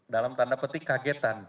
dalam tanda petik kagetan